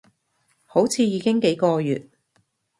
好似已經幾個月